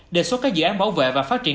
đề xuất các dự án bảo vệ và phát triển